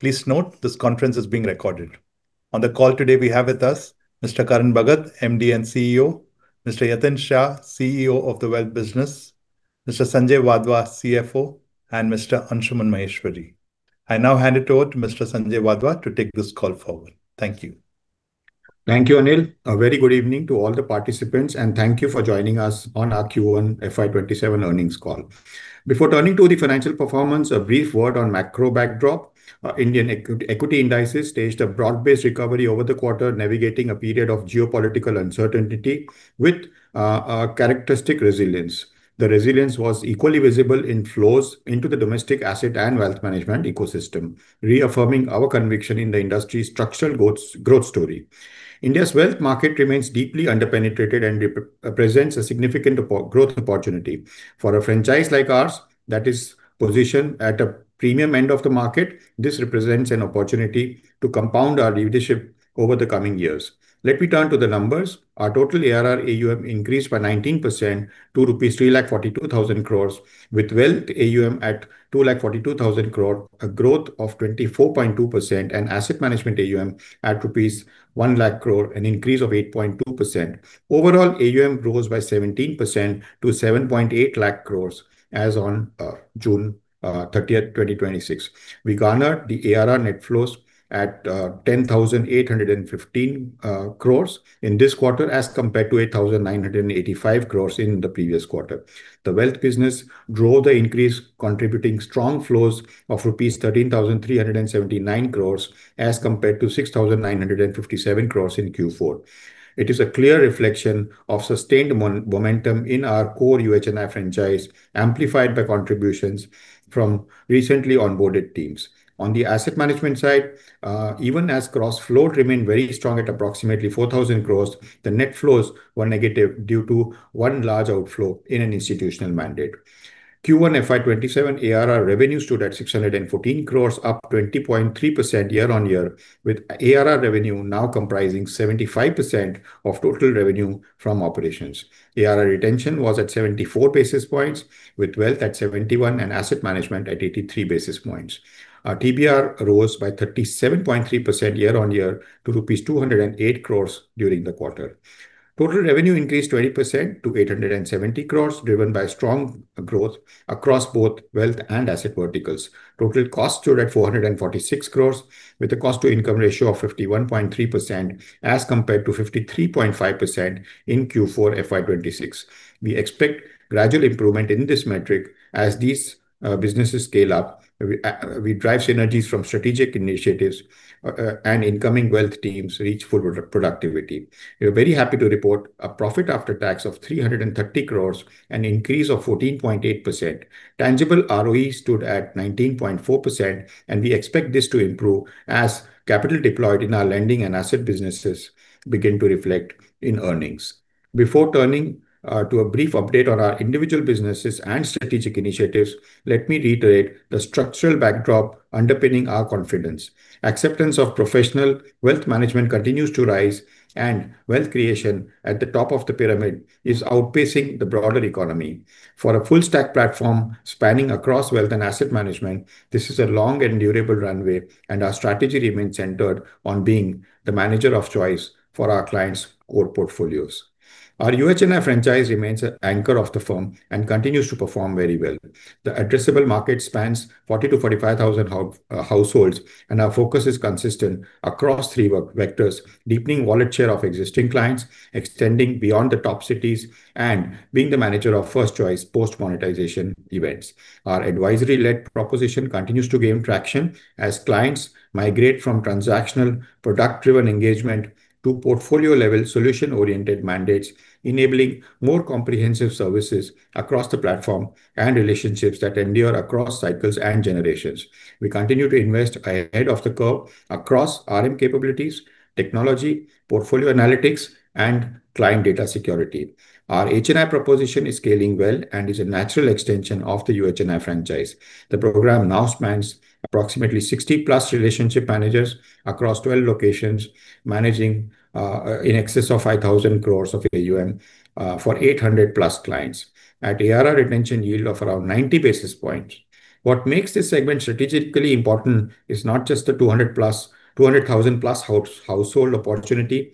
Please note this conference is being recorded. On the call today we have with us Mr. Karan Bhagat, MD and CEO, Mr. Yatin Shah, CEO of the Wealth Business, Mr. Sanjay Wadhwa, CFO, and Mr. Anshuman Maheshwary. I now hand it over to Mr. Sanjay Wadhwa to take this call forward. Thank you. Thank you, Anil. A very good evening to all the participants, thank you for joining us on our Q1 FY 2027 earnings call. Before turning to the financial performance, a brief word on macro backdrop. Indian equity indices staged a broad-based recovery over the quarter, navigating a period of geopolitical uncertainty with characteristic resilience. The resilience was equally visible in flows into the domestic asset and wealth management ecosystem, reaffirming our conviction in the industry's structural growth story. India's wealth market remains deeply under-penetrated and represents a significant growth opportunity. For a franchise like ours that is positioned at a premium end of the market, this represents an opportunity to compound our leadership over the coming years. Let me turn to the numbers. Our total ARR AUM increased by 19% to rupees 342,000 crores, with wealth AUM at 242,000 crore, a growth of 24.2%, asset management AUM at rupees 100,000 crore, an increase of 8.2%. Overall, AUM grows by 17% to 708,000 crores as on June 30th, 2026. We garnered the ARR net flows at 10,815 crores in this quarter as compared to 8,985 crores in the previous quarter. The wealth business drove the increase, contributing strong flows of rupees 13,379 crores as compared to 6,957 crores in Q4. It is a clear reflection of sustained momentum in our core UHNI franchise, amplified by contributions from recently onboarded teams. On the asset management side, even as gross flows remained very strong at approximately 4,000 crores. The net flows were negative due to one large outflow in an institutional mandate. Q1 FY 2027 ARR revenue stood at 614 crores, up 20.3% year-on-year, with ARR revenue now comprising 75% of total revenue from operations. ARR retention was at 74 basis points, with wealth at 71 asset management at 83 basis points. Our TBR rose by 37.3% year-on-year to rupees 208 crores during the quarter. Total revenue increased 20% to 870 crores, driven by strong growth across both wealth and asset verticals. Total costs stood at 446 crores with a cost-to-income ratio of 51.3% as compared to 53.5% in Q4 FY 2026. We expect gradual improvement in this metric as these businesses scale up, we drive synergies from strategic initiatives, incoming wealth teams reach full productivity. We are very happy to report a profit after tax of 330 crores, an increase of 14.8%. Tangible ROE stood at 19.4%, and we expect this to improve as capital deployed in our lending and asset businesses begin to reflect in earnings. Before turning to a brief update on our individual businesses and strategic initiatives, let me reiterate the structural backdrop underpinning our confidence. Acceptance of professional wealth management continues to rise, and wealth creation at the top of the pyramid is outpacing the broader economy. For a full stack platform spanning across wealth and asset management, this is a long and durable runway, and our strategy remains centered on being the manager of choice for our clients' core portfolios. Our UHNI franchise remains an anchor of the firm and continues to perform very well. The addressable market spans 40,000 to 45,000 households, and our focus is consistent across three vectors: deepening wallet share of existing clients, extending beyond the top cities, and being the manager of first choice post monetization events. Our advisory-led proposition continues to gain traction as clients migrate from transactional product-driven engagement to portfolio level solution oriented mandates, enabling more comprehensive services across the platform and relationships that endure across cycles and generations. We continue to invest ahead of the curve across RM capabilities, technology, portfolio analytics, and client data security. Our HNI proposition is scaling well and is a natural extension of the UHNI franchise. The program now spans approximately 60 plus relationship managers across 12 locations, managing in excess of 5,000 crores of AUM for 800 plus clients at ARR retention yield of around 90 basis points. What makes this segment strategically important is not just the 200,000 plus household opportunity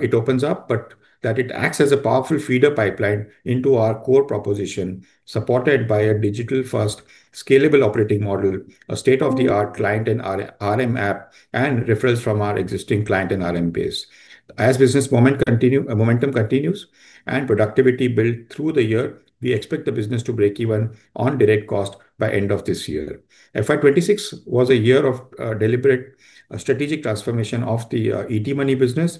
it opens up, but that it acts as a powerful feeder pipeline into our core proposition, supported by a digital first scalable operating model, a state-of-the-art client and RM app, and referrals from our existing client and RM base. As business momentum continues and productivity build through the year, we expect the business to break even on direct cost by end of this year. FY 2026 was a year of deliberate strategic transformation of the ET Money business,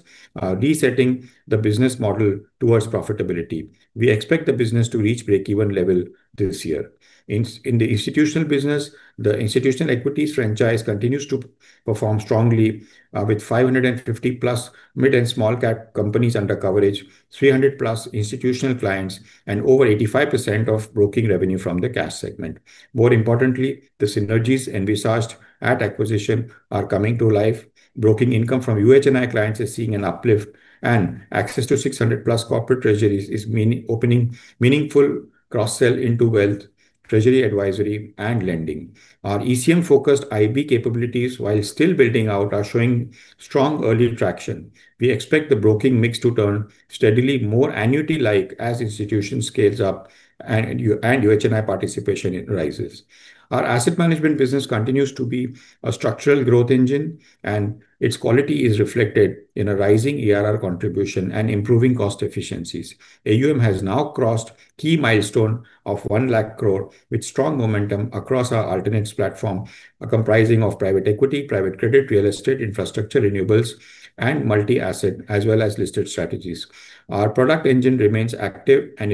resetting the business model towards profitability. We expect the business to reach break-even level this year. In the institutional business, the institutional equities franchise continues to perform strongly with 550 plus mid and small cap companies under coverage. 300 plus institutional clients, and over 85% of broking revenue from the cash segment. More importantly, the synergies envisaged at acquisition are coming to life. Broking income from UHNI clients is seeing an uplift, and access to 600 plus corporate treasuries is opening meaningful cross-sell into wealth Treasury advisory and lending. Our ECM-focused IB capabilities, while still building out, are showing strong early traction. We expect the broking mix to turn steadily more annuity-like as institution scales up and UHNI participation rises. Our asset management business continues to be a structural growth engine, and its quality is reflected in a rising ERR contribution and improving cost efficiencies. AUM has now crossed key milestone of 100,000 crore with strong momentum across our alternates platform. A comprising of private equity, private credit, real estate, infrastructure, renewables, and multi-asset, as well as listed strategies. Our product engine remains active and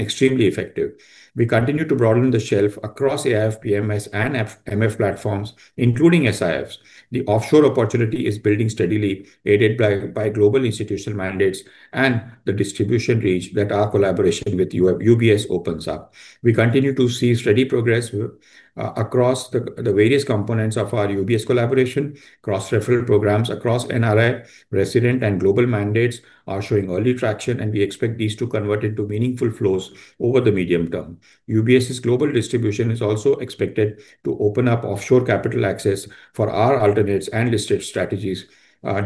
extremely effective. We continue to broaden the shelf across AIF, PMS and MF platforms, including SIFs. The offshore opportunity is building steadily, aided by global institutional mandates and the distribution reach that our collaboration with UBS opens up. We continue to see steady progress across the various components of our UBS collaboration, cross-referral programs across NRI, resident, and global mandates are showing early traction. We expect these to convert into meaningful flows over the medium term. UBS's global distribution is also expected to open up offshore capital access for our alternates and listed strategies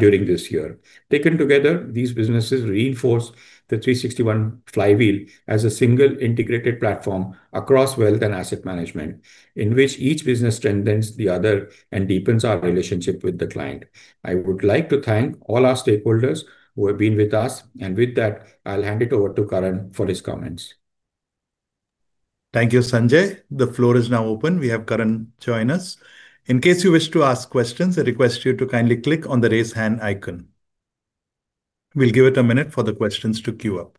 during this year. Taken together, these businesses reinforce the 360 ONE flywheel as a single integrated platform across wealth and asset management, in which each business strengthens the other and deepens our relationship with the client. I would like to thank all our stakeholders who have been with us. With that, I'll hand it over to Karan for his comments. Thank you, Sanjay. The floor is now open. We have Karan join us. In case you wish to ask questions, I request you to kindly click on the raise hand icon. We'll give it a minute for the questions to queue up.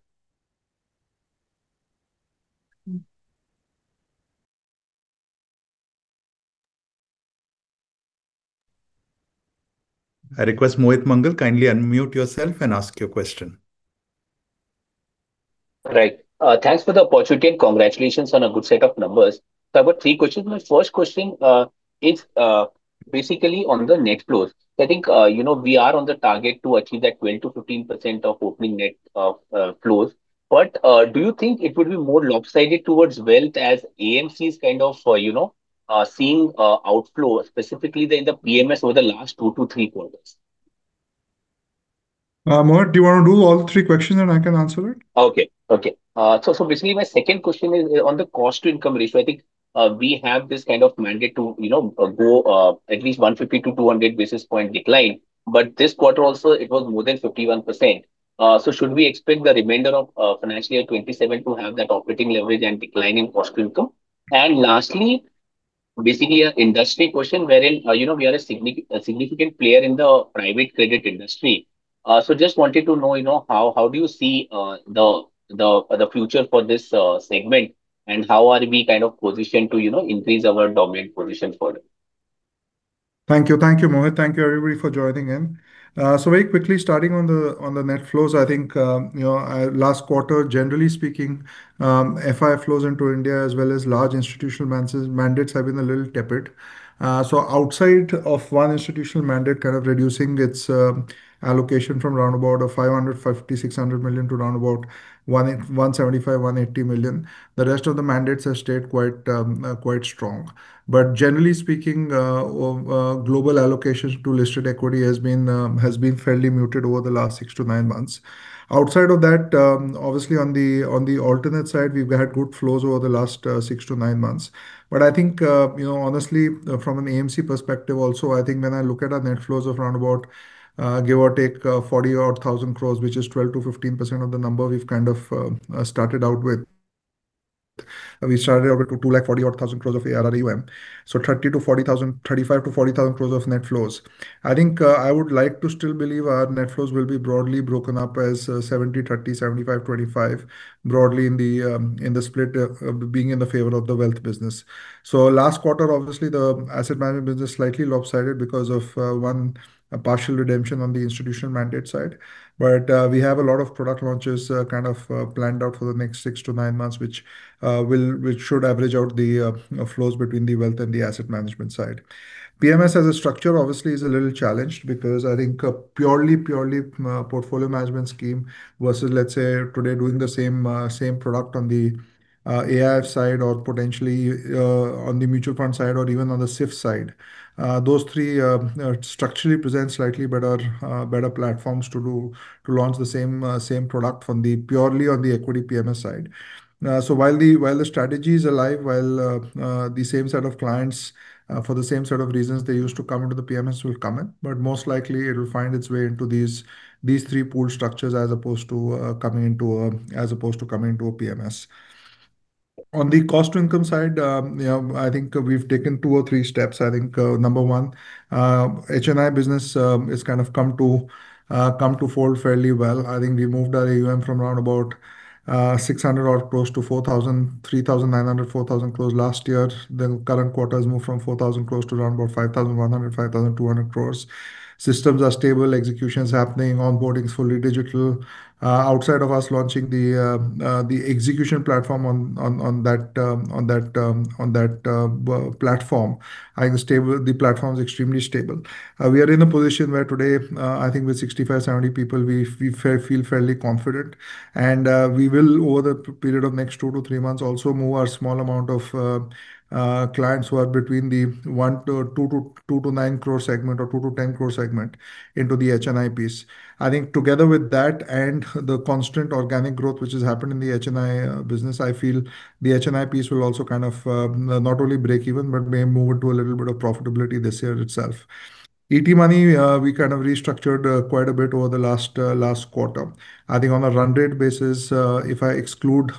I request Mohit Mangal kindly unmute yourself and ask your question. Right. Thanks for the opportunity and congratulations on a good set of numbers. I've got three questions. My first question is basically on the net flows. I think we are on the target to achieve that 12%-15% of opening net flows. Do you think it would be more lopsided towards wealth as AMCs kind of seeing outflow, specifically in the PMS over the last two to three quarters? Mohit, do you want to do all three questions? I can answer it. Okay. My second question is on the cost-to-income ratio. I think we have this kind of mandate to go at least 150-200 basis point decline, but this quarter also, it was more than 51%. Should we expect the remainder of FY 2027 to have that operating leverage and decline in cost-to-income? Lastly, an industry question wherein we are a significant player in the private credit industry. Just wanted to know how do you see the future for this segment, and how are we positioned to increase our dominant position for it? Thank you, Mohit. Thank you everybody for joining in. Very quickly starting on the net flows, I think last quarter, generally speaking, FI flows into India as well as large institutional mandates have been a little tepid. Outside of one institutional mandate kind of reducing its allocation from 550 million-600 million to 175 million-180 million, the rest of the mandates have stayed quite strong. Generally speaking, global allocations to listed equity has been fairly muted over the last six to nine months. Outside of that, obviously on the alternate side, we've had good flows over the last six to nine months. I think, honestly, from an AMC perspective also, I think when I look at our net flows of, give or take, 40,000 crore, which is 12-15% of the number we've kind of started out with. We started out with 240,000 crore of ARR AUM, 35,000 crore-40,000 crore of net flows. I think I would like to still believe our net flows will be broadly broken up as 70/30, 75/25 broadly in the split being in the favor of the wealth business. Last quarter, obviously the asset management business slightly lopsided because of one partial redemption on the institutional mandate side. We have a lot of product launches kind of planned out for the next six to nine months, which should average out the flows between the wealth and the asset management side. PMS as a structure obviously is a little challenged because I think a purely portfolio management scheme versus, let's say, today doing the same product on the AIF side or potentially on the mutual fund side or even on the SIF side. Those three structurally present slightly better platforms to launch the same product from the purely on the equity PMS side. While the strategy is alive, while the same set of clients for the same set of reasons they used to come into the PMS will come in, most likely it will find its way into these three pool structures as opposed to coming into a PMS. On the cost to income side, I think we've taken two or three steps. I think number one, HNI business has kind of come to fold fairly well. I think we moved our AUM from around about 600 odd close to 4,000, 3,900, 4,000 close last year. Current quarter has moved from 4,000 close to around about 5,100, 5,200 crores. Systems are stable, execution is happening, onboarding is fully digital. Outside of us launching the execution platform on that platform, the platform is extremely stable. We are in a position where today, I think with 65, 70 people, we feel fairly confident. We will, over the period of next two to three months, also move our small amount of clients who are between the INR one to two to nine crore segment or 2 to 10 crore segment into the HNI piece. I think together with that and the constant organic growth which has happened in the HNI business, I feel the HNI piece will also kind of not only break even, but may move into a little bit of profitability this year itself. ET Money, we kind of restructured quite a bit over the last quarter. I think on a run rate basis, if I exclude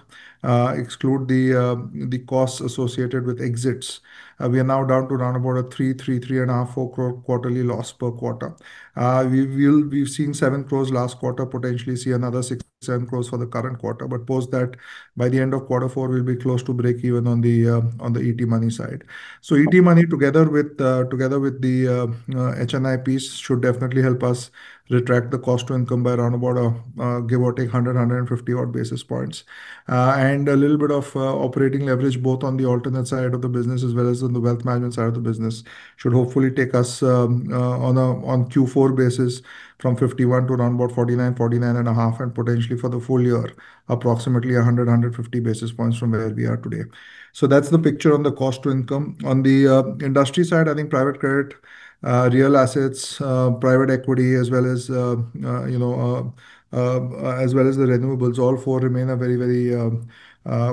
the costs associated with exits, we are now down to around about a three and a half, four crore quarterly loss per quarter. We've seen 7 crores last quarter, potentially see another 6, 7 crores for the current quarter. Post that, by the end of quarter four, we will be close to break even on the ET Money side. ET Money together with the HNI piece should definitely help us retract the cost to income by around about, give or take, 100, 150 basis points. A little bit of operating leverage, both on the alternate side of the business as well as on the wealth management side of the business, should hopefully take us on Q4 basis from 51 to around about 49 and a half, and potentially for the full year, approximately 100, 150 basis points from where we are today. That's the picture on the cost to income. On the industry side, I think private credit, real assets, private equity, as well as the renewables, all four remain a very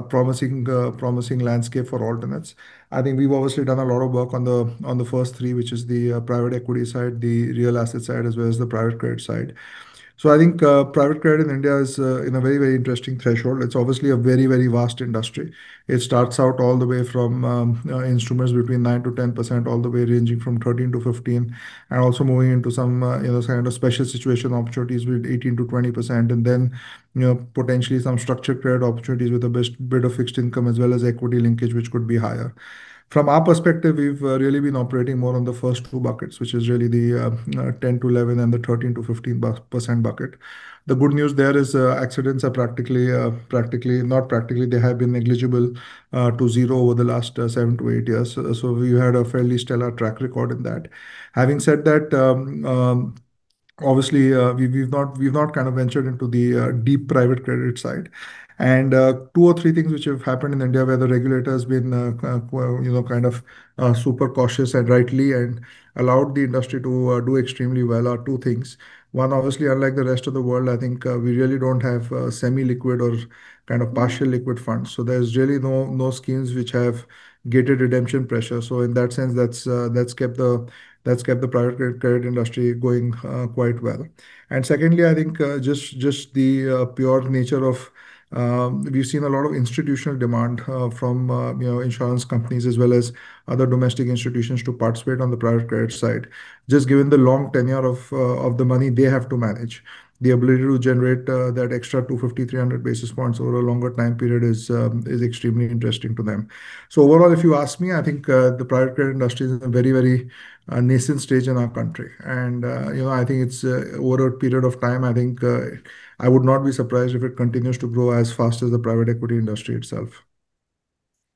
promising landscape for alternates. I think we've obviously done a lot of work on the first three, which is the private equity side, the real asset side, as well as the private credit side. I think private credit in India is in a very interesting threshold. It is obviously a very vast industry. It starts out all the way from instruments between 9%-10%, all the way ranging from 13%-15%, and also moving into some kind of special situation opportunities with 18%-20%. Then potentially some structured credit opportunities with a bit of fixed income as well as equity linkage, which could be higher. From our perspective, we've really been operating more on the first two buckets, which is really the 10%-11% and the 13%-15% bucket. The good news there is accidents are practically, not practically, they have been negligible to zero over the last seven to eight years. We've had a fairly stellar track record in that. Having said that, obviously, we've not ventured into the deep private credit side. Two or three things which have happened in India where the regulator's been super cautious, and rightly, and allowed the industry to do extremely well, are two things. One, obviously, unlike the rest of the world, I think we really don't have semi-liquid or kind of partial liquid funds. There's really no schemes which have gated redemption pressure. In that sense, that's kept the private credit industry going quite well. Secondly, I think just the pure nature of, we've seen a lot of institutional demand from insurance companies as well as other domestic institutions to participate on the private credit side. Just given the long tenure of the money they have to manage, the ability to generate that extra 250, 300 basis points over a longer time period is extremely interesting to them. Overall, if you ask me, I think the private credit industry is in a very nascent stage in our country. I think it's, over a period of time, I think I would not be surprised if it continues to grow as fast as the private equity industry itself.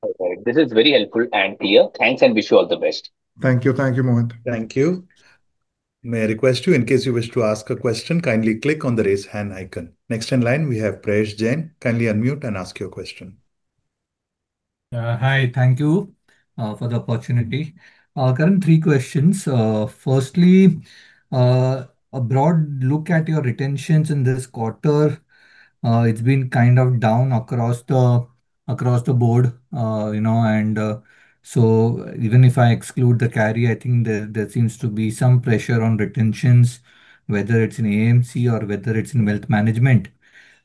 All right. This is very helpful and clear. Thanks, and wish you all the best. Thank you. Thank you, Mohit. Thank you. May I request you, in case you wish to ask a question, kindly click on the Raise Hand icon. Next in line, we have Prayesh Jain. Kindly unmute and ask your question. Hi, thank you for the opportunity. Karan, three questions. Firstly, a broad look at your retentions in this quarter. It's been kind of down across the board. Even if I exclude the carry, I think there seems to be some pressure on retentions, whether it's in AMC or whether it's in wealth management.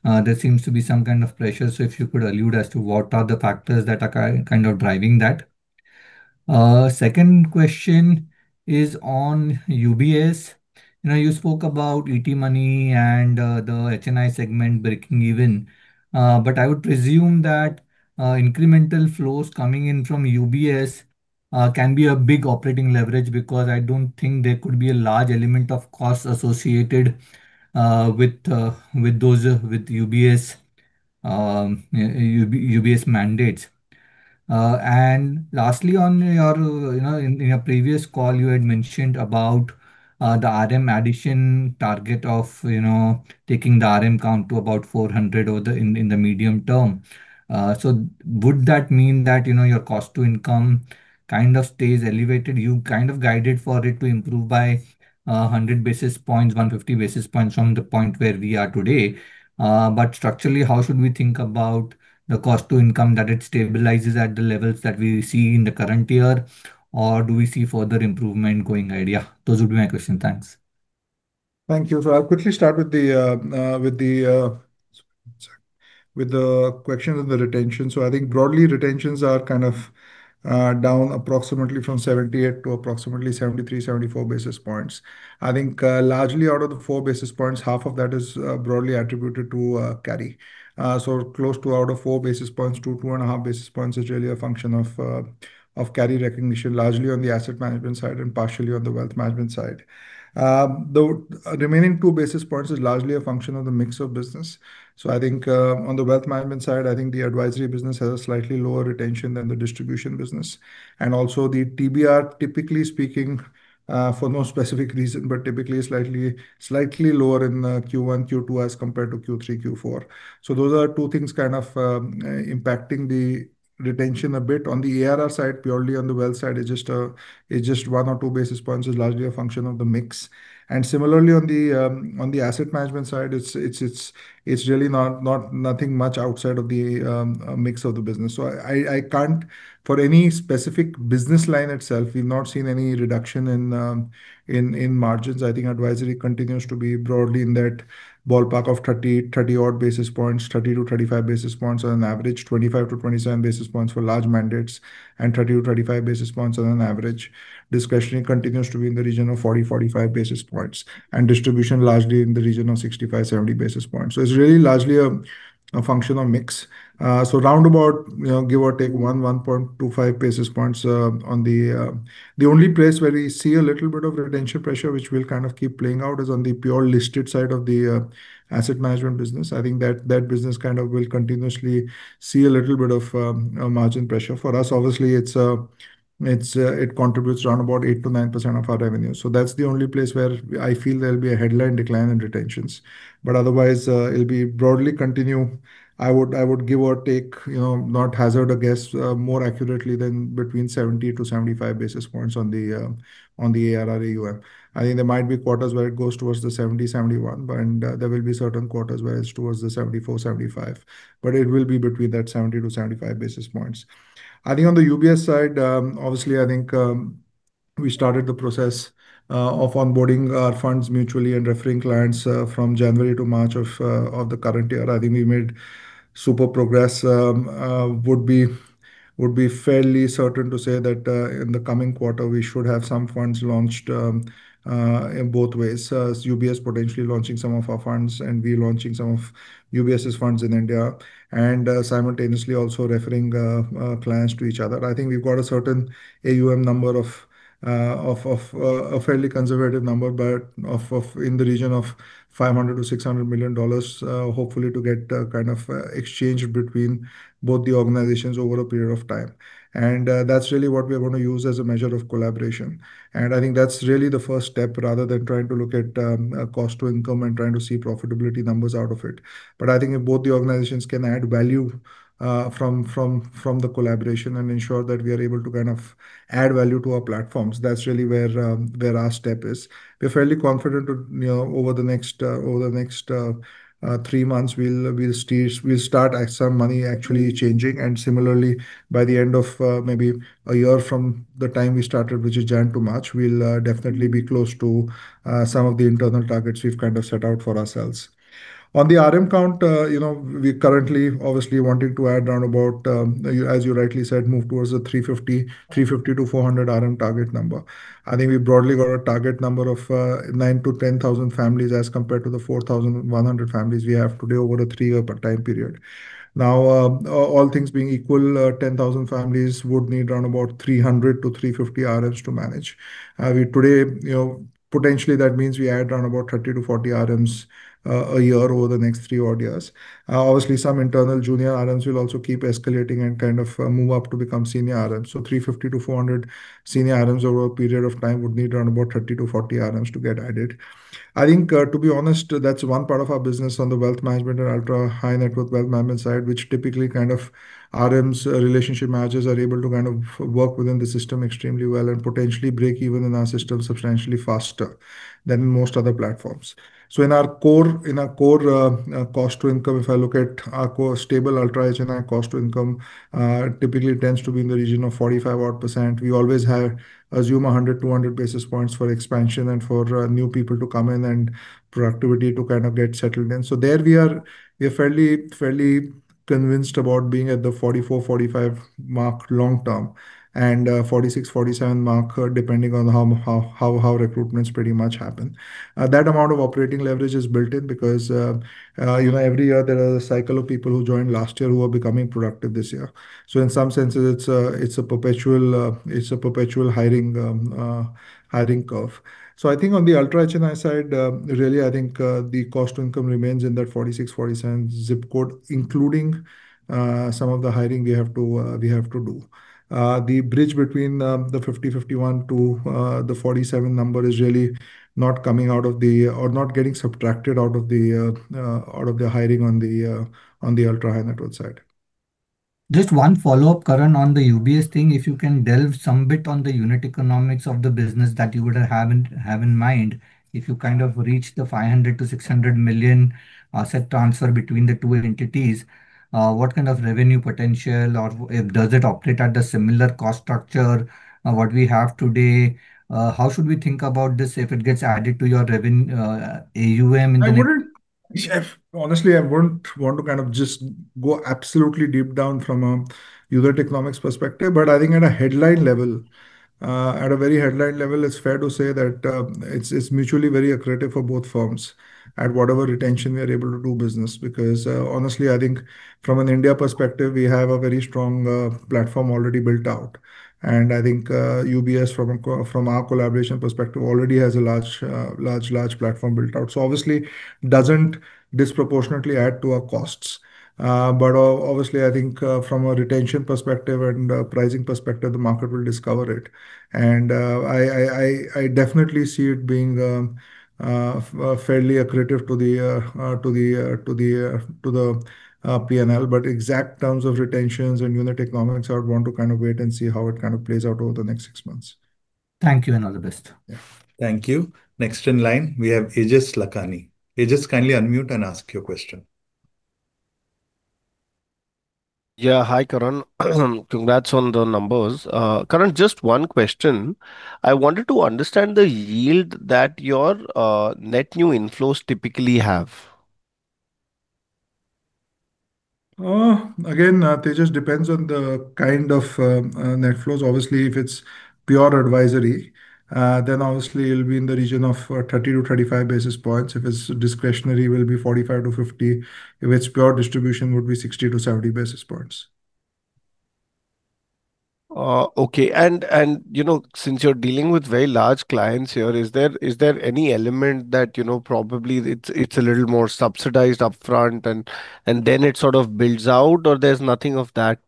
There seems to be some kind of pressure. If you could allude as to what are the factors that are kind of driving that. Second question is on UBS. You spoke about ET Money and the HNI segment breaking even. I would presume that incremental flows coming in from UBS can be a big operating leverage, because I don't think there could be a large element of cost associated with UBS mandates. Lastly on your, in your previous call, you had mentioned about the RM addition target of taking the RM count to about 400 in the medium term. Would that mean that your cost to income kind of stays elevated? You kind of guided for it to improve by 100 basis points, 150 basis points from the point where we are today. Structurally, how should we think about the cost to income, that it stabilizes at the levels that we see in the current year? Do we see further improvement going ahead? Those would be my question. Thanks. Thank you. I'll quickly start with the question of the retention. I think broadly retentions are kind of down approximately from 78 to approximately 73, 74 basis points. I think largely out of the four basis points, half of that is broadly attributed to carry. Close to out of four basis points to two and a half basis points is really a function of carry recognition, largely on the asset management side and partially on the wealth management side. The remaining two basis points is largely a function of the mix of business. I think on the wealth management side, I think the advisory business has a slightly lower retention than the distribution business. Also the TBR, typically speaking, for no specific reason, but typically slightly lower in Q1, Q2 as compared to Q3, Q4. Those are two things kind of impacting the retention a bit. On the ARR side, purely on the wealth side, it is just one or two basis points, is largely a function of the mix. Similarly, on the asset management side, it is really nothing much outside of the mix of the business. I cannot, for any specific business line itself, we have not seen any reduction in margins. I think advisory continues to be broadly in that ballpark of 30 odd basis points, 30-35 basis points on an average, 25-27 basis points for large mandates, and 30-35 basis points on an average. Discretion continues to be in the region of 40-45 basis points, and distribution largely in the region of 65-70 basis points. It is really largely a function of mix. Round about, give or take 1, 1.25 basis points on the only place where we see a little bit of retention pressure, which we will kind of keep playing out, is on the pure listed side of the asset management business. I think that business kind of will continuously see a little bit of margin pressure. For us, obviously, it contributes around about 8%-9% of our revenue. That is the only place where I feel there will be a headline decline in retentions. Otherwise, it will broadly continue. I would give or take, not hazard a guess more accurately than between 70-75 basis points on the ARR. I think there might be quarters where it goes towards the 70-71, and there will be certain quarters where it is towards the 74-75. But it will be between that 70-75 basis points. I think on the UBS side, obviously, I think we started the process of onboarding our funds mutually and referring clients from January-March of the current year. I think we made super progress. Would be fairly certain to say that in the coming quarter, we should have some funds launched in both ways. UBS potentially launching some of our funds and we launching some of UBS's funds in India and simultaneously also referring clients to each other. I think we have got a certain AUM number, a fairly conservative number, but in the region of $500 million-$600 million, hopefully to get kind of exchange between both the organizations over a period of time. That is really what we are going to use as a measure of collaboration. I think that is really the first step rather than trying to look at cost to income and trying to see profitability numbers out of it. I think if both the organizations can add value from the collaboration and ensure that we are able to kind of add value to our platforms, that is really where our step is. We are fairly confident over the next three months, we will start some money actually changing and similarly, by the end of maybe a year from the time we started, which is January-March, we will definitely be close to some of the internal targets we have kind of set out for ourselves. On the RM count, we currently obviously wanting to add around about, as you rightly said, move towards the 350-400 RM target number. I think we broadly got a target number of 9,000-10,000 families as compared to the 4,100 families we have today over a three-year time period. All things being equal, 10,000 families would need around about 300-350 RMs to manage. Today, potentially that means we add around about 30-40 RMs a year over the next three odd years. Obviously, some internal junior RMs will also keep escalating and kind of move up to become senior RMs. 350-400 senior RMs over a period of time would need around about 30-40 RMs to get added. I think, to be honest, that's one part of our business on the wealth management and ultra-high net worth wealth management side, which typically kind of RMs, relationship managers are able to kind of work within the system extremely well and potentially break even in our system substantially faster than most other platforms. In our core cost to income, if I look at our core stable ultra-high net cost to income, typically it tends to be in the region of 45% odd. We always assume 100-200 basis points for expansion and for new people to come in and productivity to kind of get settled in. There we are fairly convinced about being at the 44-45 mark long-term and 46-47 mark, depending on how recruitments pretty much happen. That amount of operating leverage is built in because every year there are a cycle of people who joined last year who are becoming productive this year. In some senses, it's a perpetual hiring curve. I think on the ultra HNI side, really, I think the cost to income remains in that 46-47 zip code, including some of the hiring we have to do. The bridge between the 50-51 to the 47 number is really not coming out of the, or not getting subtracted out of the hiring on the ultra-high net worth side. Just one follow-up, Karan, on the UBS thing. If you can delve some bit on the unit economics of the business that you would have in mind if you kind of reach the $500 million-$600 million asset transfer between the two entities. What kind of revenue potential, or does it operate at a similar cost structure what we have today? How should we think about this if it gets added to your AUM in the next? Yeah. Honestly, I wouldn't want to just go absolutely deep down from a user economics perspective, but I think at a very headline level, it's fair to say that it's mutually very accretive for both firms at whatever retention we are able to do business. Honestly, I think from an India perspective, we have a very strong platform already built out. I think UBS, from our collaboration perspective, already has a large platform built out. Obviously doesn't disproportionately add to our costs. Obviously, I think, from a retention perspective and a pricing perspective, the market will discover it. I definitely see it being fairly accretive to the P&L. Exact terms of retentions and unit economics, I would want to wait and see how it plays out over the next six months. Thank you, and all the best. Thank you. Next in line, we have Aejas Lakhani. Aejas, kindly unmute and ask your question. Yeah. Hi, Karan. Congrats on the numbers. Karan, just one question. I wanted to understand the yield that your net new inflows typically have. Again, Aejas, depends on the kind of net flows. Obviously, if it's pure advisory, then obviously it'll be in the region of 30-35 basis points. If it's discretionary, it will be 45-50 basis points. If it's pure distribution, it would be 60-70 basis points. Okay. Since you're dealing with very large clients here, is there any element that probably it's a little more subsidized upfront and then it sort of builds out, or there's nothing of that?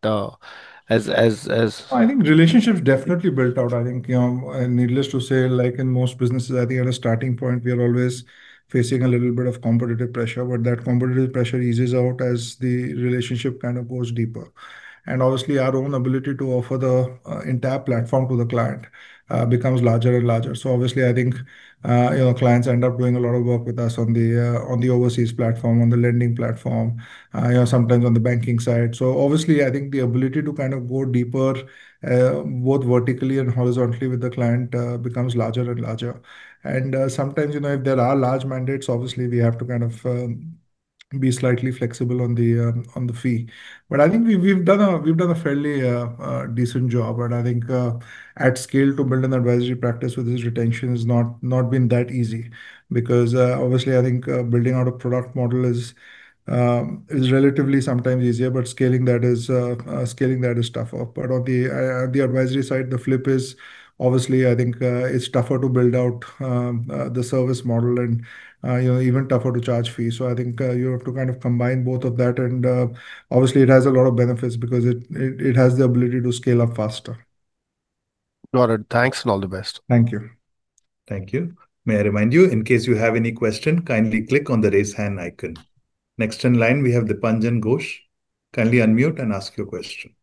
I think relationships definitely build out, I think. Needless to say, like in most businesses, I think at a starting point, we are always facing a little bit of competitive pressure. That competitive pressure eases out as the relationship goes deeper. Obviously, our own ability to offer the entire platform to the client becomes larger and larger. Obviously, I think our clients end up doing a lot of work with us on the overseas platform, on the lending platform, sometimes on the banking side. Obviously, I think the ability to go deeper, both vertically and horizontally with the client, becomes larger and larger. Sometimes, if there are large mandates, obviously we have to be slightly flexible on the fee. I think we've done a fairly decent job, and I think at scale to build an advisory practice with this retention has not been that easy. Because obviously I think building out a product model is relatively sometimes easier. Scaling that is tougher. On the advisory side, the flip is obviously, I think it's tougher to build out the service model and even tougher to charge fees. I think you have to combine both of that, and obviously it has a lot of benefits because it has the ability to scale up faster. Got it. Thanks, and all the best. Thank you. Thank you. May I remind you, in case you have any question, kindly click on the Raise Hand icon. Next in line, we have Dipanjan Ghosh. Kindly unmute and ask your question.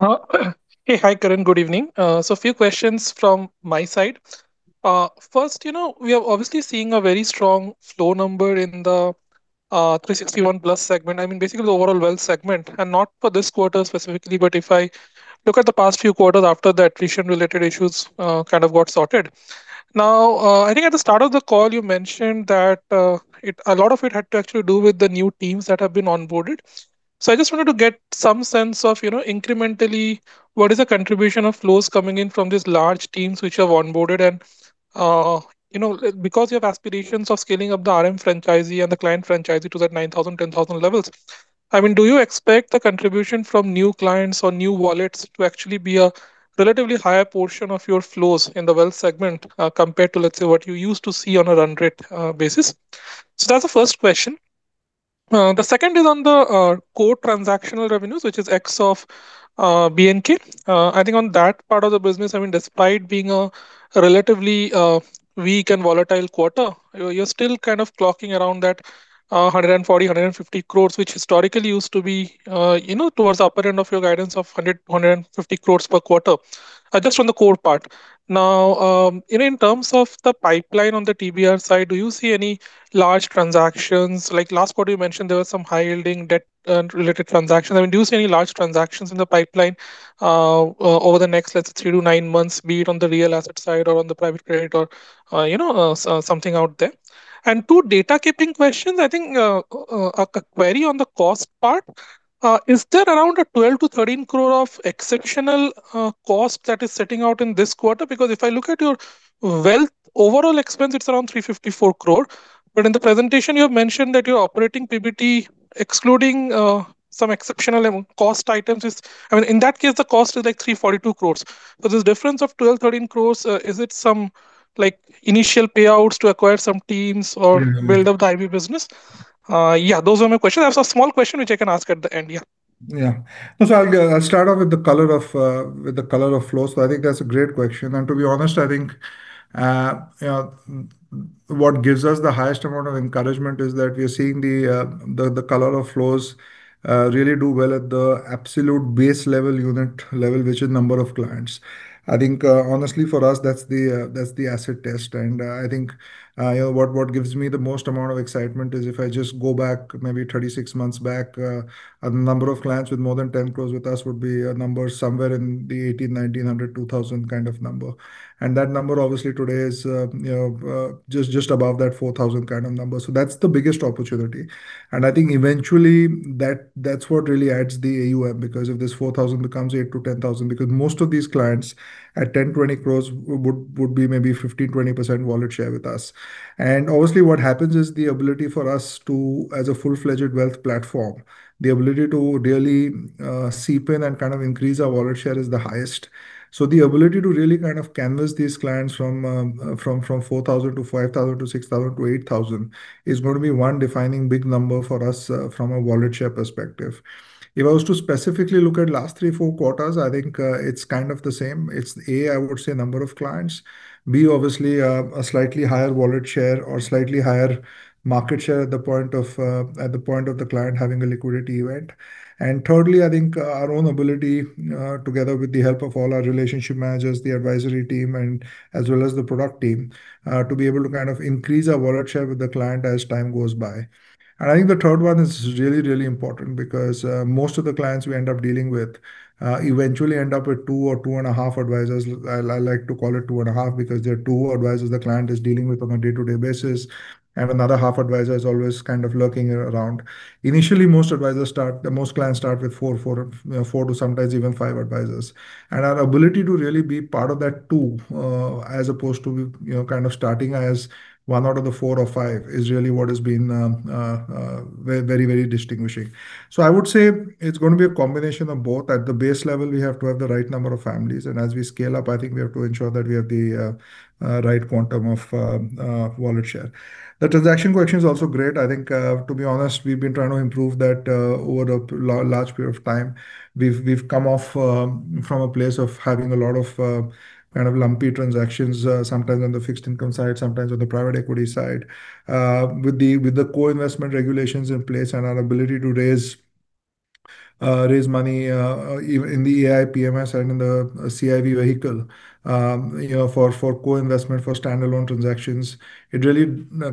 Hey. Hi, Karan. Good evening. A few questions from my side. First, we are obviously seeing a very strong flow number in the 360 ONE Plus segment. I mean, basically the overall wealth segment, and not for this quarter specifically, but if I look at the past few quarters after the attrition-related issues got sorted. I think at the start of the call you mentioned that a lot of it had to actually do with the new teams that have been onboarded. I just wanted to get some sense of, incrementally, what is the contribution of flows coming in from these large teams which you have onboarded and, because you have aspirations of scaling up the RM franchisee and the client franchisee to that 9,000, 10,000 levels. Do you expect the contribution from new clients or new wallets to actually be a relatively higher portion of your flows in the wealth segment compared to, let's say, what you used to see on a run rate basis? That is the first question. The second is on the core transactional revenues, which is X of B&K. On that part of the business, despite being a relatively weak and volatile quarter, you are still clocking around that 140 crore-150 crore, which historically used to be towards the upper end of your guidance of 150 crore per quarter. Just from the core part. In terms of the pipeline on the TBR side, do you see any large transactions? Like last quarter, you mentioned there were some high-yielding debt-related transactions. Do you see any large transactions in the pipeline over the next, let's say, 3-9 months, be it on the real asset side or on the private credit or something out there. Two data keeping questions. A query on the cost part. Is there around an 12 crore-13 crore of exceptional cost that is setting out in this quarter? Because if I look at your wealth overall expense, it is around 354 crore. In the presentation, you have mentioned that your operating PBT, excluding some exceptional cost items is. In that case, the cost is like 342 crore. This difference of 12 crore-13 crore, is it some initial payouts to acquire some teams or build up the IB business? Those were my questions. I have a small question which I can ask at the end. I will start off with the color of flow. That is a great question. To be honest, what gives us the highest amount of encouragement is that we are seeing the color of flows really do well at the absolute base level, unit level, which is number of clients. Honestly, for us, that is the acid test. What gives me the most amount of excitement is if I just go back maybe 36 months back, a number of clients with more than 10 crore with us would be a number somewhere in the 1,800, 1,900, 2,000 kind of number. That number obviously today is just above that 4,000 kind of number. That's the biggest opportunity. I think eventually, that's what really adds the AUM, because if this 4,000 becomes 8,000-10,000, because most of these clients at 10-20 crores would be maybe 15%-20% wallet share with us. Obviously what happens is the ability for us to, as a full-fledged wealth platform, the ability to really seep in and kind of increase our wallet share is the highest. The ability to really kind of canvas these clients from 4,000 to 5,000 to 6,000 to 8,000 is going to be one defining big number for us from a wallet share perspective. If I was to specifically look at last three, four quarters, I think it's kind of the same. It's, A, I would say number of clients. B, obviously, a slightly higher wallet share or slightly higher market share at the point of the client having a liquidity event. Thirdly, I think our own ability, together with the help of all our relationship managers, the advisory team, and as well as the product team, to be able to kind of increase our wallet share with the client as time goes by. I think the third one is really, really important because most of the clients we end up dealing with eventually end up with two or two and a half advisors. I like to call it two and a half because there are two advisors the client is dealing with on a day-to-day basis, and another half advisor is always kind of lurking around. Initially, most clients start with four to sometimes even five advisors. Our ability to really be part of that, too, as opposed to kind of starting as one out of the four or five is really what has been very distinguishing. I would say it's going to be a combination of both. At the base level, we have to have the right number of families. As we scale up, I think we have to ensure that we have the right quantum of wallet share. The transaction quotient is also great. I think, to be honest, we've been trying to improve that over a large period of time. We've come off from a place of having a lot of kind of lumpy transactions, sometimes on the fixed income side, sometimes on the private equity side. With the co-investment regulations in place and our ability to raise money in the AIF PMS and in the CIV vehicle for co-investment, for standalone transactions, it really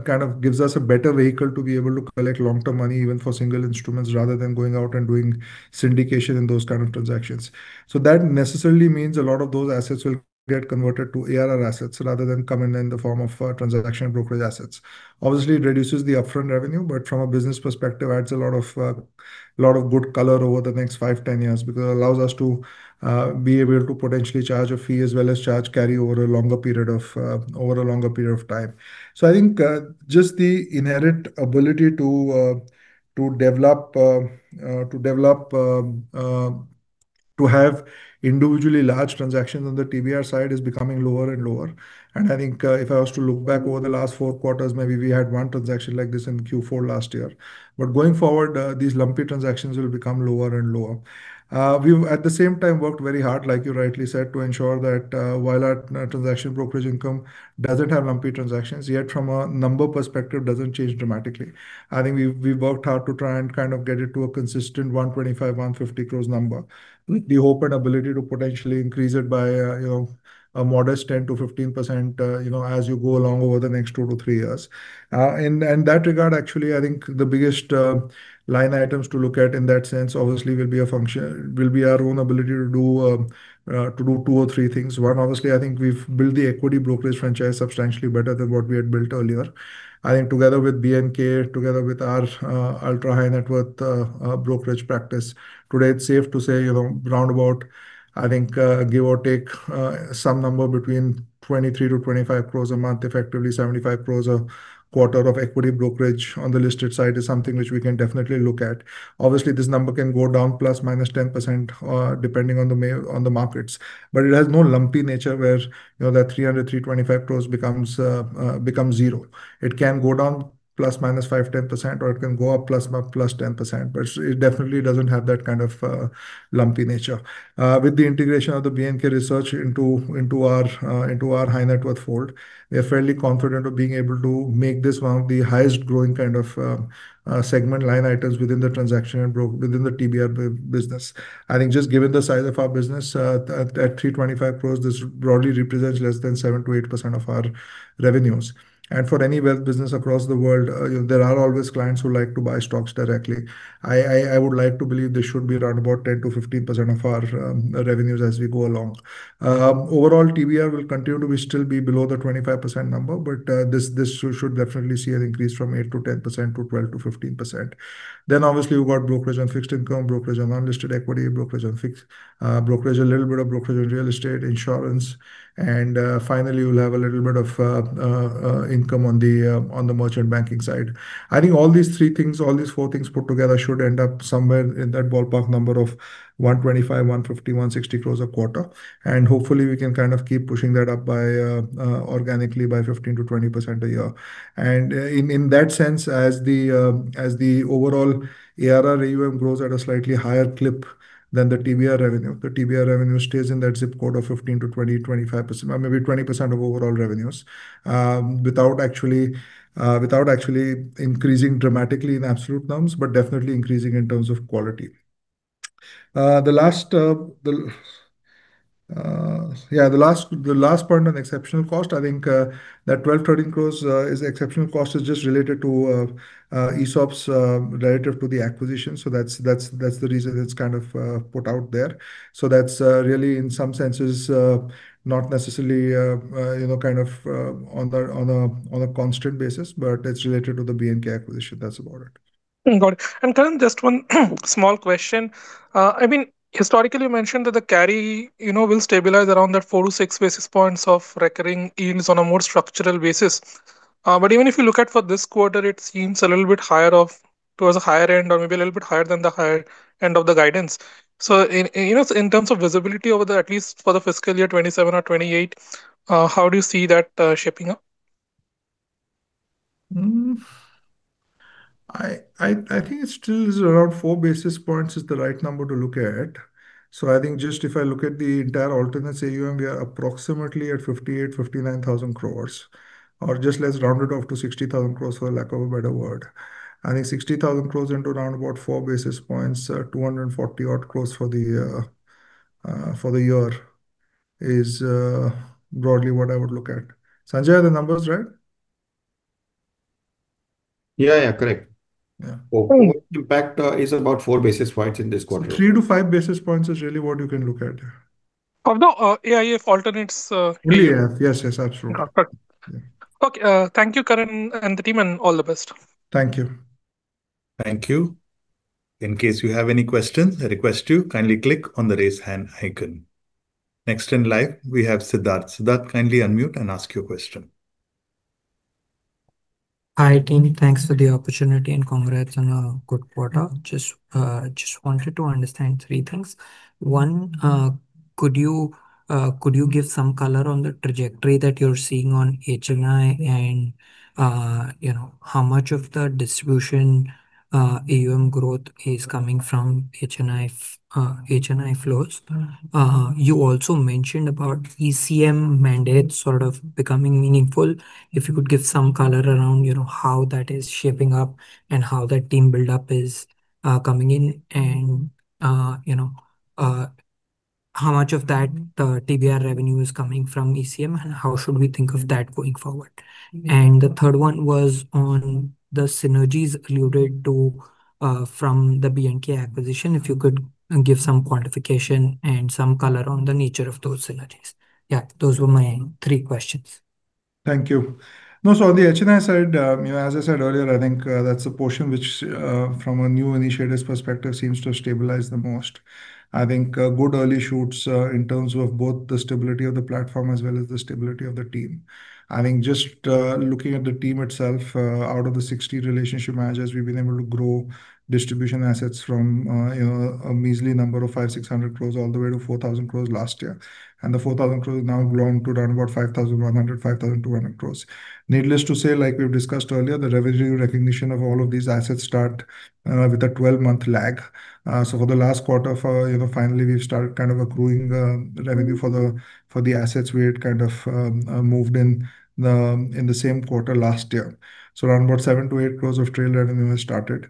kind of gives us a better vehicle to be able to collect long-term money, even for single instruments, rather than going out and doing syndication and those kind of transactions. That necessarily means a lot of those assets will get converted to ARR assets rather than come in the form of transaction brokerage assets. Obviously, it reduces the upfront revenue, but from a business perspective, adds a lot of good color over the next five, 10 years because it allows us to be able to potentially charge a fee as well as charge carry over a longer period of time. I think just the inherent ability to have individually large transactions on the TBR side is becoming lower and lower. I think if I was to look back over the last four quarters, maybe we had one transaction like this in Q4 last year. Going forward, these lumpy transactions will become lower and lower. We've, at the same time, worked very hard, like you rightly said, to ensure that while our transaction brokerage income doesn't have lumpy transactions, yet from a number perspective, doesn't change dramatically. I think we've worked hard to try and kind of get it to a consistent 125 crore-150 crore number, with the hope and ability to potentially increase it by a modest 10%-15% as you go along over the next two to three years. In that regard, actually, I think the biggest line items to look at in that sense obviously will be our own ability to do two or three things. One, obviously, I think we've built the equity brokerage franchise substantially better than what we had built earlier. I think together with B&K, together with our ultra high net worth brokerage practice, today it's safe to say roundabout, I think, give or take, some number between 23 crore-25 crore a month, effectively 75 crore a quarter of equity brokerage on the listed side is something which we can definitely look at. Obviously, this number can go down ±10% depending on the markets. It has no lumpy nature where that 300 crore-325 crore becomes zero. It can go down ±5%, 10%, or it can go up +10%, but it definitely doesn't have that kind of lumpy nature. With the integration of the B&K research into our high net worth fold, we are fairly confident of being able to make this one of the highest growing kind of segment line items within the transaction and within the TBR business. I think just given the size of our business at 325 crore, this broadly represents less than 7%-8% of our revenues. For any wealth business across the world, there are always clients who like to buy stocks directly. I would like to believe this should be around about 10%-15% of our revenues as we go along. Overall, TBR will continue to still be below the 25% number, but this should definitely see an increase from 8%-10% to 12%-15%. Obviously we've got brokerage on fixed income, brokerage on unlisted equity, a little bit of brokerage on real estate, insurance, and finally, we'll have a little bit of income on the merchant banking side. I think all these four things put together should end up somewhere in that ballpark number of 125 crore-160 crore a quarter. Hopefully we can kind of keep pushing that up organically by 15%-20% a year. In that sense, as the overall ARR AUM grows at a slightly higher clip than the TBR revenue, the TBR revenue stays in that zip code of 15%-20%, 25%, or maybe 20% of overall revenues. Without actually increasing dramatically in absolute terms, but definitely increasing in terms of quality. The last part on exceptional cost, I think that 12 crore is exceptional cost is just related to ESOPs relative to the acquisition. That's the reason it's put out there. That's really, in some senses, not necessarily on a constant basis, but it's related to the B&K acquisition. That's about it. Got it. Karan, just one small question. Historically, you mentioned that the carry will stabilize around that four to six basis points of recurring gains on a more structural basis. Even if you look at for this quarter, it seems a little bit higher up towards the higher end or maybe a little bit higher than the higher end of the guidance. In terms of visibility over the at least for the fiscal year 2027 or 2028, how do you see that shaping up? I think it still is around four basis points is the right number to look at. I think just if I look at the entire Alternates AUM, we are approximately at 58,000, 59,000 crores, or just let's round it off to 60,000 crores, for lack of a better word. I think 60,000 crores into around about four basis points, 240 odd crores for the year is broadly what I would look at. Sanjay, are the numbers right? Yeah, correct. Impact is about 4 basis points in this quarter. 3-5 basis points is really what you can look at. Of the AIF alternates. AIF. Yes, that's true. Okay. Thank you, Karan, and the team, and all the best. Thank you. Thank you. In case you have any questions, I request you kindly click on the Raise Hand icon. Next in line, we have Siddharth. Siddharth, kindly unmute and ask your question. Hi, team. Thanks for the opportunity and congrats on a good quarter. Just wanted to understand three things. One, could you give some color on the trajectory that you're seeing on HNI and how much of the distribution AUM growth is coming from HNI flows? You also mentioned about ECM mandates sort of becoming meaningful. If you could give some color around how that is shaping up and how that team build-up is coming in, and how much of that TBR revenue is coming from ECM, and how should we think of that going forward? The third one was on the synergies alluded to from the B&K acquisition, if you could give some quantification and some color on the nature of those synergies. Yeah, those were my three questions. Thank you. On the HNI side, as I said earlier, I think that's a portion which from a new initiatives perspective, seems to have stabilized the most. I think good early shoots, in terms of both the stability of the platform as well as the stability of the team. I think just looking at the team itself, out of the 60 relationship managers, we've been able to grow distribution assets from a measly number of 500, 600 crores all the way to 4,000 crores last year. The 4,000 crores now belong to around about 5,100, 5,200 crores. Needless to say, like we've discussed earlier, the revenue recognition of all of these assets start with a 12-month lag. For the last quarter, finally, we've started accruing revenue for the assets we had moved in the same quarter last year. Around about 7-8 crores of trail revenue has started.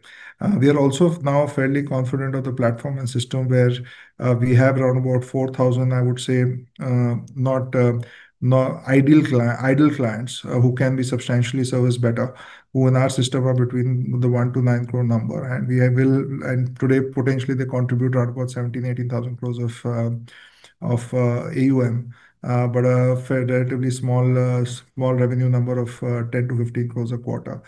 We are also now fairly confident of the platform and system where we have around about 4,000, I would say, idle clients who can be substantially serviced better, who in our system are between the one to nine crore number. Today, potentially, they contribute around about 17,000, 18,000 crores of AUM. A relatively small revenue number of 10-15 crores a quarter.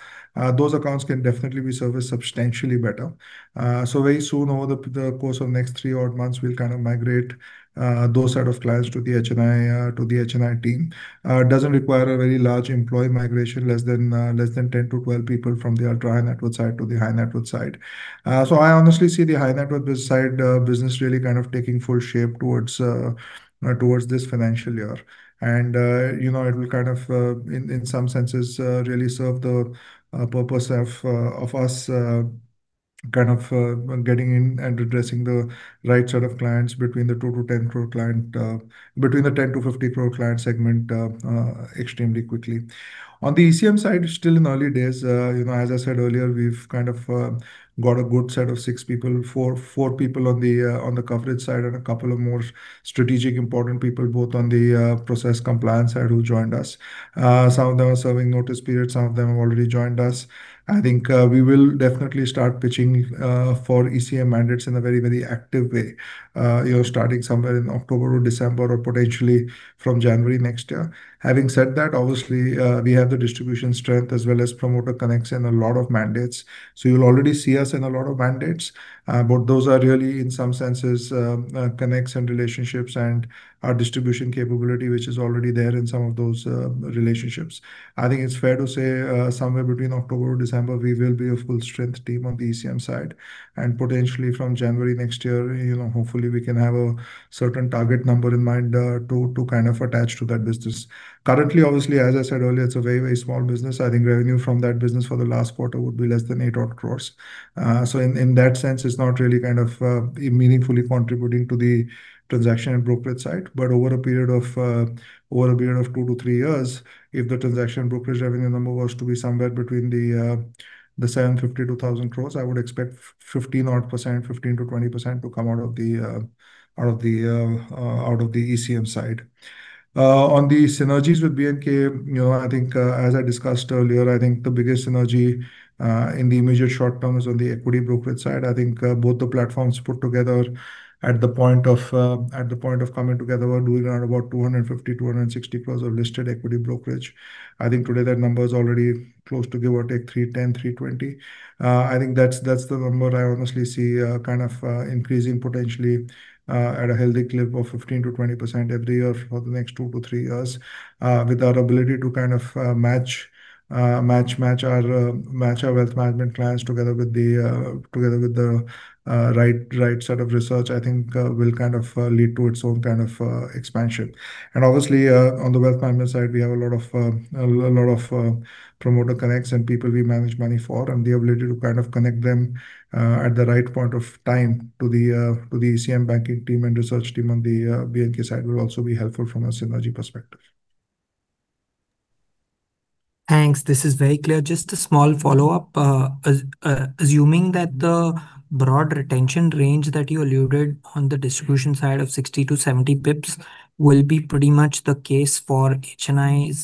Those accounts can definitely be serviced substantially better. Very soon, over the course of next three odd months, we'll migrate those set of clients to the HNI team. Doesn't require a very large employee migration, less than 10 to 12 people from the ultra high net worth side to the high net worth side. I honestly see the high net worth side business really taking full shape towards this financial year. It will, in some senses, really serve the purpose of us getting in and addressing the right set of clients between the 10-50 crore client segment extremely quickly. On the ECM side, it's still in the early days. As I said earlier, we've got a good set of six people. Four people on the coverage side and a couple of more strategic important people both on the process compliance side who joined us. Some of them are serving notice period, some of them have already joined us. I think we will definitely start pitching for ECM mandates in a very, very active way. Starting somewhere in October or December or potentially from January next year. Having said that, obviously, we have the distribution strength as well as promoter connects and a lot of mandates. You'll already see us in a lot of mandates. Those are really, in some senses, connects and relationships and our distribution capability, which is already there in some of those relationships. I think it's fair to say, somewhere between October or December, we will be a full-strength team on the ECM side. Potentially from January next year, hopefully we can have a certain target number in mind to attach to that business. Currently, obviously, as I said earlier, it's a very small business. I think revenue from that business for the last quarter would be less than 8 odd crores. In that sense, it's not really meaningfully contributing to the transaction and brokerage side. Over a period of two to three years, if the transaction brokerage revenue number was to be somewhere between the 750-1,000 crores, I would expect 15-odd %, 15%-20% to come out of the ECM side. On the synergies with B&K, as I discussed earlier, I think the biggest synergy in the immediate short term is on the equity brokerage side. I think both the platforms put together at the point of coming together, were doing around about 250 crore-260 crore of listed equity brokerage. I think today that number is already close to give or take 310-320. I think that's the number I honestly see increasing potentially at a healthy clip of 15%-20% every year for the next 2-3 years. With our ability to match our wealth management clients together with the right set of research, I think will lead to its own kind of expansion. Obviously, on the wealth management side, we have a lot of promoter connects and people we manage money for, and the ability to connect them, at the right point of time to the ECM banking team and research team on the B&K side will also be helpful from a synergy perspective. Thanks. This is very clear. Just a small follow-up. Assuming that the broad retention range that you alluded on the distribution side of 60-70 basis points will be pretty much the case for HNI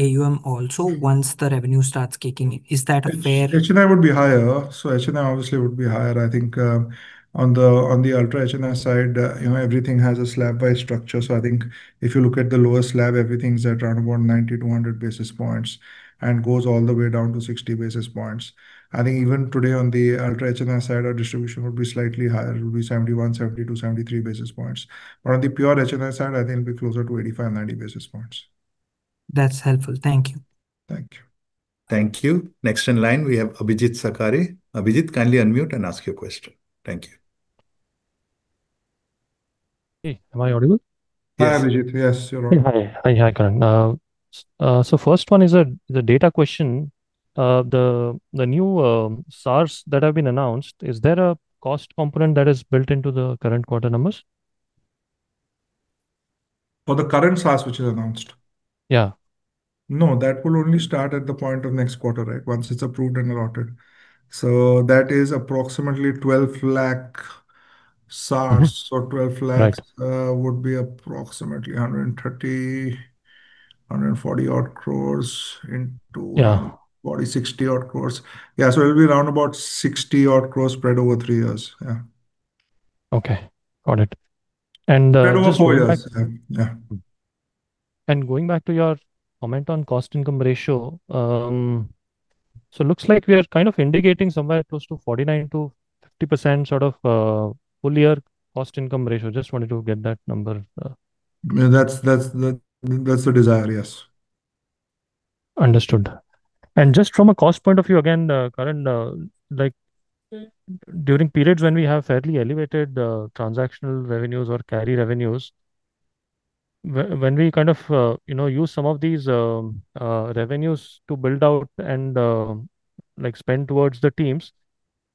AUM also once the revenue starts kicking in. Is that a fair? HNI would be higher. HNI obviously would be higher. I think on the ultra HNI side, everything has a slab by structure. If you look at the lowest slab, everything's at around about 90-100 basis points and goes all the way down to 60 basis points. I think even today on the ultra HNI side, our distribution would be slightly higher. It would be 71, 72, 73 basis points. On the pure HNI side, I think it'll be closer to 85-90 basis points. That's helpful. Thank you. Thank you. Thank you. Next in line, we have Abhijeet Sakhare. Abhijeet, kindly unmute and ask your question. Thank you. Hey, am I audible? Hi Abhijeet. Yes, you are on. Hi. Hi, Karan. First one is a data question. The new SARs that have been announced, is there a cost component that is built into the current quarter numbers? For the current SARs which is announced? Yeah. No, that will only start at the point of next quarter, once it is approved and allotted. That is approximately 12 lakh SARs would be approximately 130-140 odd crores into 40-60 odd crores. Yeah, it'll be around about 60-odd crore spread over three years. Yeah. Okay. Got it. Just going back. Spread over four years. Yeah. Going back to your comment on cost-income ratio. Looks like we are kind of indicating somewhere close to 49%-50% sort of full year cost-income ratio. Just wanted to get that number. Yeah, that's the desire. Yes. Understood. Just from a cost point of view, again, Karan, during periods when we have fairly elevated transactional revenues or carry revenues, when we use some of these revenues to build out and spend towards the teams,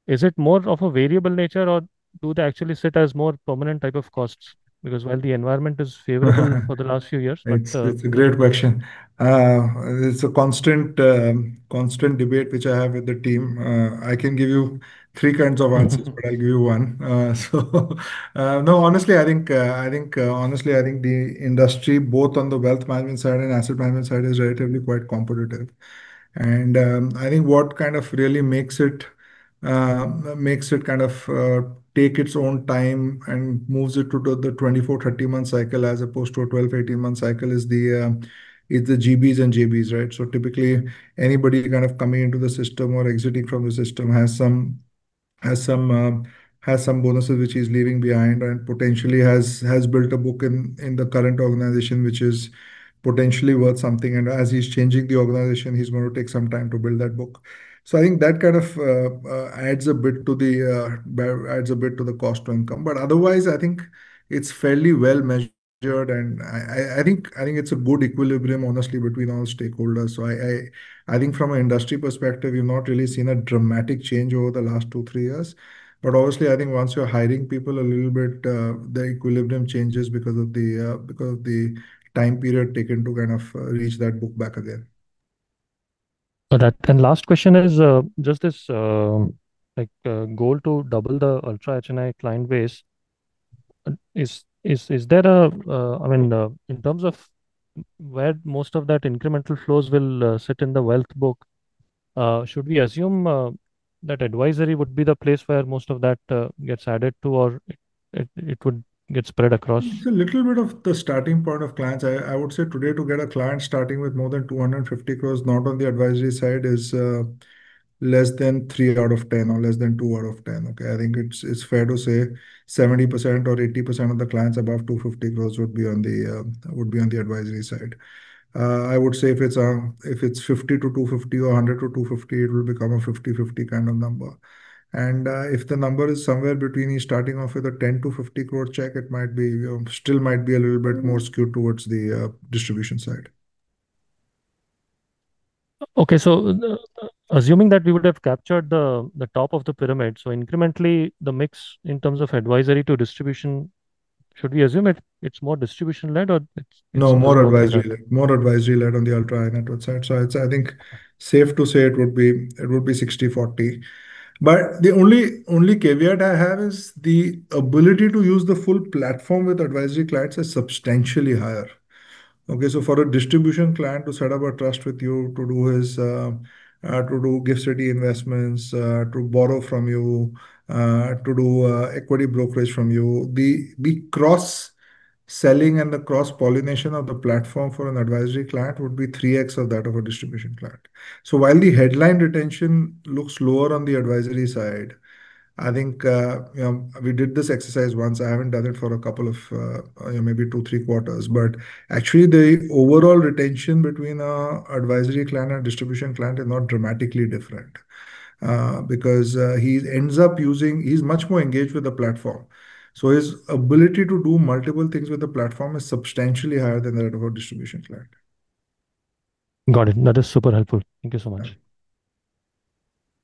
is it more of a variable nature or do they actually sit as more permanent type of costs? Because while the environment is favorable for the last few years. It's a great question. It's a constant debate which I have with the team. I can give you three kinds of answers, but I'll give you one. No, honestly, I think the industry, both on the wealth management side and asset management side, is relatively quite competitive. I think what kind of really makes it take its own time and moves it to the 24, 30-month cycle as opposed to a 12, 18-month cycle is the GBs and JBs, right? Typically, anybody kind of coming into the system or exiting from the system has some bonuses which he's leaving behind and potentially has built a book in the current organization, which is potentially worth something. As he's changing the organization, he's going to take some time to build that book. I think that kind of adds a bit to the cost to income. Otherwise, I think it's fairly well measured, and I think it's a good equilibrium, honestly, between all stakeholders. I think from an industry perspective, we've not really seen a dramatic change over the last two, three years. Obviously, I think once you're hiring people a little bit, the equilibrium changes because of the time period taken to kind of reach that book back again. Last question is, just this goal to double the UHNI client base. In terms of where most of that incremental flows will sit in the wealth book, should we assume that advisory would be the place where most of that gets added to, or it would get spread across? It's a little bit of the starting point of clients. I would say today to get a client starting with more than 250 crores, not on the advisory side, is less than three out of 10 or less than two out of 10. Okay? I think it's fair to say 70% or 80% of the clients above 250 crores would be on the advisory side. I would say if it's 50-250 or 100-250, it will become a 50/50 kind of number. If the number is somewhere between starting off with a 10-50 crore check, it still might be a little bit more skewed towards the distribution side. Okay. Assuming that we would have captured the top of the pyramid, so incrementally the mix in terms of advisory to distribution, should we assume it's more distribution-led? No, more advisory-led. More advisory-led on the ultra high net worth side. I think safe to say it would be 60/40. The only caveat I have is the ability to use the full platform with advisory clients is substantially higher. Okay? For a distribution client to set up a trust with you to do GIFT City investments, to borrow from you, to do equity brokerage from you, the cross-selling and the cross-pollination of the platform for an advisory client would be 3x of that of a distribution client. While the headline retention looks lower on the advisory side, I think we did this exercise once. I haven't done it for a couple of maybe two, three quarters. Actually, the overall retention between advisory client and distribution client is not dramatically different. Because he's much more engaged with the platform. His ability to do multiple things with the platform is substantially higher than that of a distribution client. Got it. That is super helpful. Thank you so much.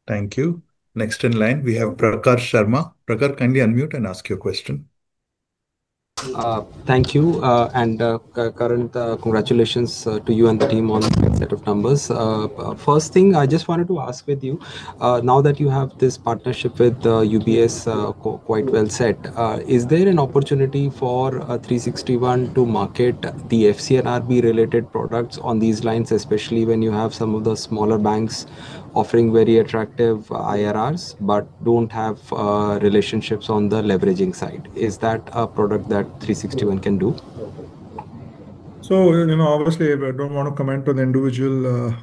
Thank you. Next in line, we have Prakhar Sharma. Prakhar, kindly unmute and ask your question. Thank you. Karan, congratulations to you and the team on a great set of numbers. First thing I just wanted to ask with you, now that you have this partnership with UBS quite well set, is there an opportunity for 360 ONE to market the FCNRB related products on these lines, especially when you have some of the smaller banks offering very attractive IRRs but don't have relationships on the leveraging side? Is that a product that 360 ONE can do? Obviously, I don't want to comment on the individual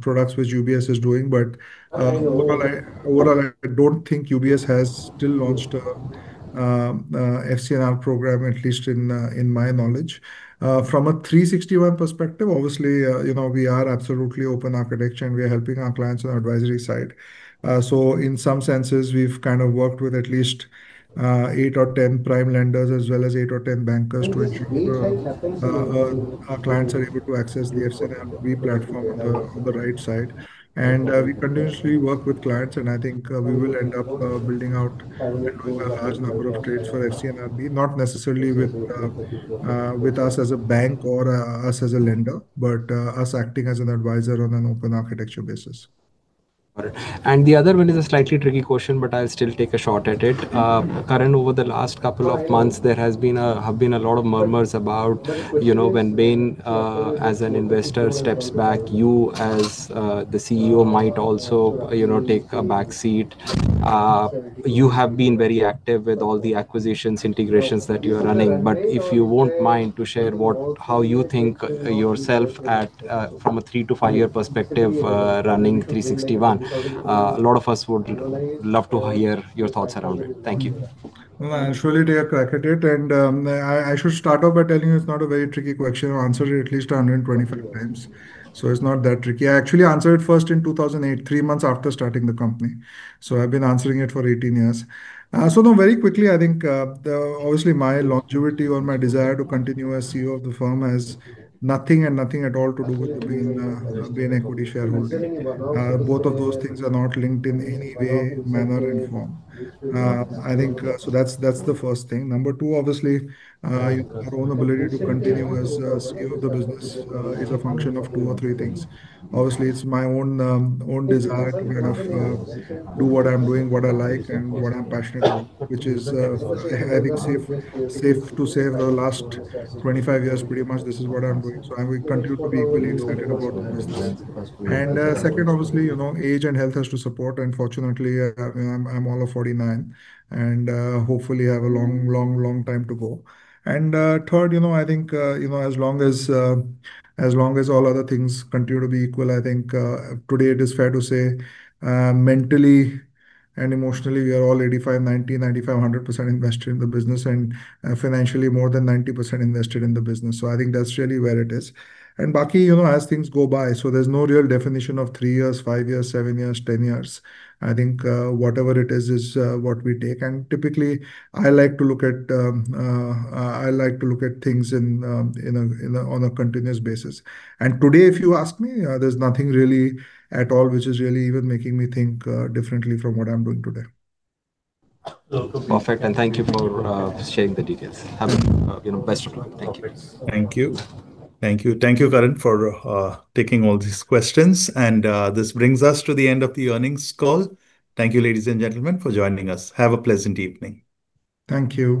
products which UBS is doing, but overall, I don't think UBS has still launched a FCNR program, at least in my knowledge. From a 360 ONE perspective, obviously, we are absolutely open architecture and we are helping our clients on the advisory side. In some senses, we've kind of worked with at least eight or 10 prime lenders as well as eight or 10 bankers to ensure our clients are able to access the FCNRB platform on the right side. We continuously work with clients, and I think we will end up building out a large number of trades for FCNRB, not necessarily with us as a bank or us as a lender, but us acting as an advisor on an open architecture basis. Got it. The other one is a slightly tricky question, but I'll still take a shot at it. Karan, over the last couple of months, there have been a lot of murmurs about when Bain, as an investor, steps back, you as the CEO might also take a back seat. You have been very active with all the acquisitions, integrations that you are running. If you won't mind to share how you think yourself at, from a three to five-year perspective, running 360 ONE. A lot of us would love to hear your thoughts around it. Thank you. I'm sure they take a crack at it, I should start off by telling you it's not a very tricky question. I've answered it at least 125 times, it's not that tricky. I actually answered it first in 2008, three months after starting the company. I've been answering it for 18 years. No, very quickly, I think, obviously my longevity or my desire to continue as CEO of the firm has nothing and nothing at all to do with the Bain equity shareholding. Both of those things are not linked in any way, manner, and form. That's the first thing. Number two, obviously, our own ability to continue as CEO of the business is a function of two or three things. Obviously, it's my own desire to kind of do what I'm doing, what I like, and what I'm passionate about, which is, I think, safe to say, for the last 25 years, pretty much this is what I'm doing. I will continue to be equally excited about the business. Second, obviously, age and health has to support. Fortunately, I'm all of 49 and hopefully have a long, long, long time to go. Third, I think, as long as all other things continue to be equal, I think today it is fair to say mentally and emotionally we are all 85%, 90%, 95%, 100% invested in the business and financially more than 90% invested in the business. I think that's really where it is. Baki, as things go by, there's no real definition of three years, five years, seven years, 10 years. I think whatever it is is what we take. Typically, I like to look at things on a continuous basis. Today, if you ask me, there's nothing really at all which is really even making me think differently from what I'm doing today. Perfect, thank you for sharing the details. Best of luck. Thank you. Thank you. Thank you, Karan, for taking all these questions. This brings us to the end of the earnings call. Thank you, ladies and gentlemen, for joining us. Have a pleasant evening. Thank you.